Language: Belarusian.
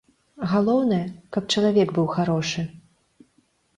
Галоўнае, каб чалавек быў харошы!